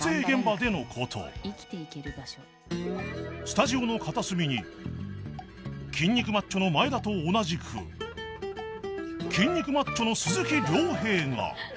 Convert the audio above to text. ［スタジオの片隅に筋肉マッチョの眞栄田と同じく筋肉マッチョの鈴木亮平が］